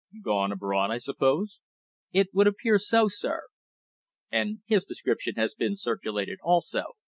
"Gone abroad, I suppose?" "It would appear so, sir." "And his description has been circulated also?"